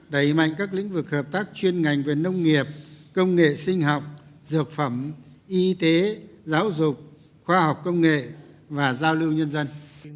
đẩy mạnh các lĩnh vực hợp tác chuyên ngành về nông nghiệp công nghệ sinh học dược phẩm y tế giáo dục khoa học công nghệ và giao lưu nhân dân